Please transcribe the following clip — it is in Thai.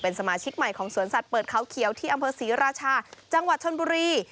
สมาชิกใหม่ของสวนสัตว์เปิดเขาเขียวที่อำเภอศรีราชาจังหวัดชนบุรี